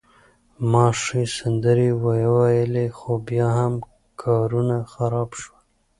ما ښې سندرې وویلي، خو بیا هم کارونه خراب شول.